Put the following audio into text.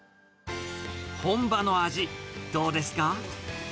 本場の味、どうですか？